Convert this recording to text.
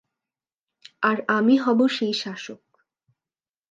আর আমি হব সেই শাসক।